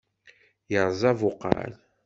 Yerẓa abuqal.